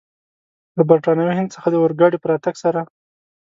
له برټانوي هند څخه د اورګاډي په راتګ سره.